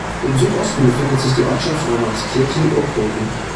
Im Südosten befindet sich die Ortschaft Rommerskirchen-Oekoven.